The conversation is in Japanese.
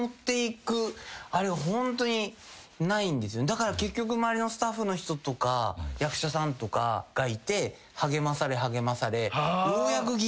だから結局周りのスタッフの人とか役者さんとかがいて励まされ励まされようやくぎりぎり。